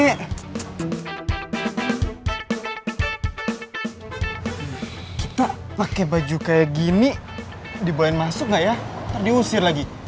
kita pakai baju kayak gini dibolehin masuk gak ya ntar diusir lagi